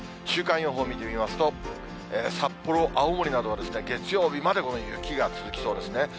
週間予報を見てみますと、札幌、青森などは、月曜日までこの雪が続きそうですね。